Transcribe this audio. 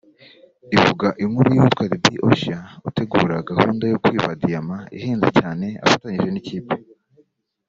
Ivuga inkuru y’uwitwa Debbie Ocean utegura gahunda yo kwiba diyama ihenze cyane afatanyije n’ikipe